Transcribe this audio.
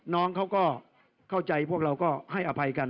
น้องเขาก็เข้าใจพวกเราก็ให้อภัยกัน